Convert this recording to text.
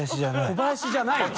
小林じゃないの？